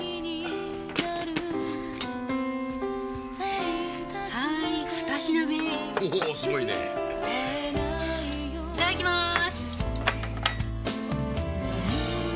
いただきます！